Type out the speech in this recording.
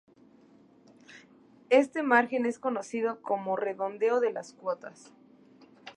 Este margen es conocido como redondeo de las cuotas.